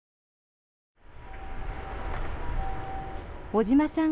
小島さん